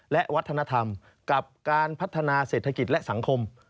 และวัฒนธรรมกับการพัฒนาเศรษฐกิจและสังคม